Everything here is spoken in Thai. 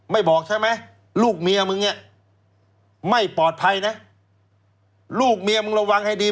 บอกใช่ไหมลูกเมียมึงเนี่ยไม่ปลอดภัยนะลูกเมียมึงระวังให้ดี